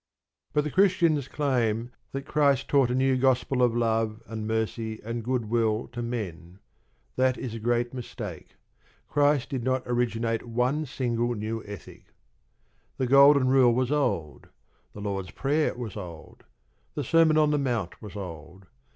But the Christian claims that Christ taught a new gospel of love, and mercy, and goodwill to men. That is a great mistake. Christ did not originate one single new ethic. The Golden Rule was old. The Lord's Prayer was old. The Sermon on the Mount was old.